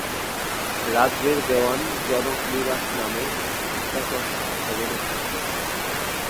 রাজ্যের দেওয়ান 'জনক নিবাস' নামে একটি চিত্তাকর্ষক ভবনে থাকতেন।